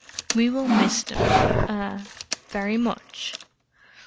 We will miss them—ah—very much.